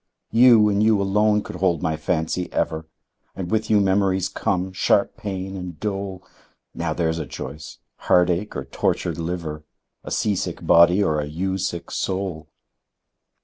You, you alone could hold my fancy ever! And with you memories come, sharp pain, and dole. Now there's a choice heartache or tortured liver! A sea sick body, or a you sick soul!